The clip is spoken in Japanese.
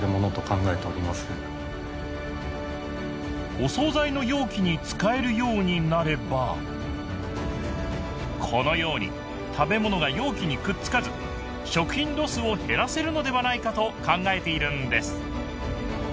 お総菜の容器に使えるようになればこのように食べ物が容器にくっつかず食品ロスを減らせるのではないかと考えているんです